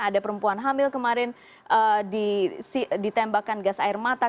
ada perempuan hamil kemarin ditembakkan gas air mata